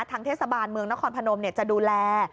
ทางเทศบาลเมืองนครพนมจะดูแล